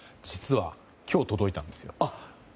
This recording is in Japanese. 実は今日届いたんですよ。